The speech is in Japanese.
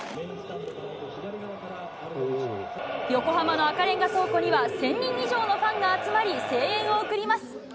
横浜の赤レンガ倉庫には、１０００人以上のファンが集まり、声援を送ります。